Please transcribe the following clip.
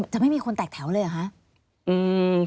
จะไม่มีคนแตกแถวเลยเหรอคะ